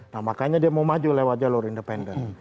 nah makanya dia mau maju lewat jalur independen